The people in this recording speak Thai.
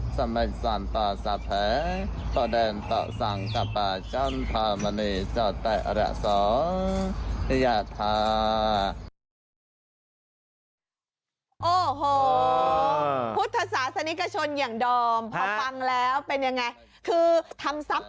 สัมมัติศรรย์ศาลตาสัพแฮตัวเด็นตะซังตัวปากจันทร์มะเนย์จัตรแตะอย่าทา